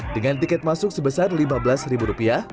dengan tiket masuk sebesar rp lima belas